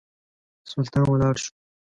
سلطان ولاړ شو.